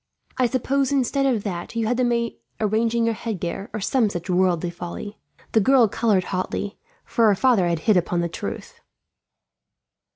I suppose, instead of that, you had the maid arranging your headgear, or some such worldly folly." The girl coloured hotly, for her father had hit upon the truth.